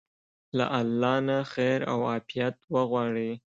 له الله نه خير او عافيت وغواړئ.